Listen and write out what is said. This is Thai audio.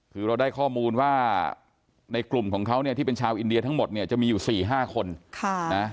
คือเราได้ข้อมูลว่าในกลุ่มของเขาเนี่ยที่เป็นชาวอินเดียทั้งหมดเนี่ยจะมีอยู่๔๕คน